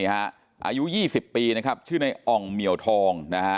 อายุ๒๐ปีชื่อในอองเมียวทอง